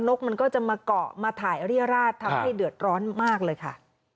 กมันก็จะมาเกาะมาถ่ายเรียราชทำให้เดือดร้อนมากเลยค่ะ